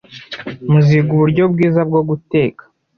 muziga uburyo bwiza bwo guteka